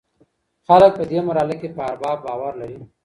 خلګ په دې مرحله کي په ارباب باور لري.